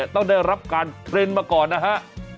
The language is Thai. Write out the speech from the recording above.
ต้องได้รับการเทรนด์มาก่อนนะฮะ